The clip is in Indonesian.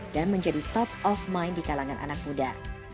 dan menjadi top of mind di kalangan anak muda